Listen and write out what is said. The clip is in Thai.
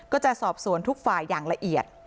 จะสอบสวนทุกฝ่ายอย่างละเอียด